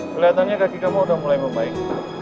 kelihatannya kaki kamu udah mulai membaik